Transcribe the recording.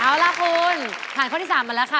เอาล่ะคุณผ่านข้อที่๓มาแล้วค่ะ